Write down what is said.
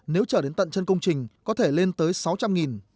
nếu chở đến tận chân công trình có thể lên tới sáu trăm linh